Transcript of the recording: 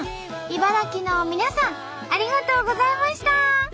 茨城の皆さんありがとうございました！